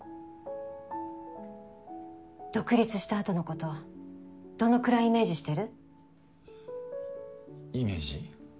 独立した後のことどのくらいイメージしてる？イメージ？